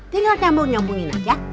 tinggal nyambung nyambungin aja